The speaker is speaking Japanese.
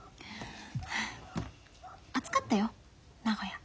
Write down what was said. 暑かったよ名古屋。